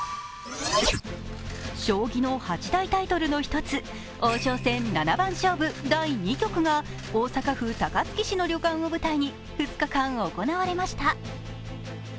将棋の８大タイトルの１つ王将戦七番勝負第２局が大阪府高槻市の旅館を舞台に２日間、行われました。